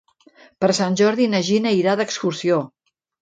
Per Sant Jordi na Gina irà d'excursió.